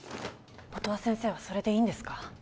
音羽先生はそれでいいんですか？